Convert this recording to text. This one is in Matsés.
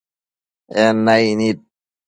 En naic nid